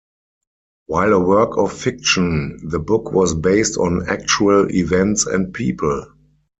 While a work of fiction, the book was based on actual events and people.